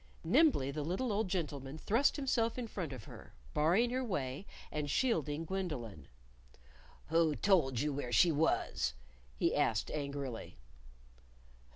Nimbly the little old gentleman thrust himself in front of her, barring her way, and shielding Gwendolyn. "Who told you where she was?" he asked angrily.